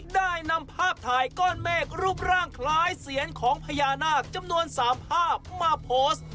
ได้นำภาพถ่ายก้อนเมฆรูปร่างคล้ายเสียนของพญานาคจำนวน๓ภาพมาโพสต์